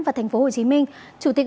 và thành phố hồ chí minh chủ tịch